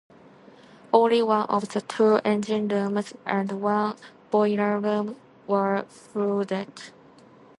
Only one of the two engine rooms and one boiler room were flooded.